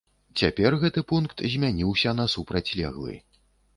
Цяпер гэты пункт змяніўся на супрацьлеглы.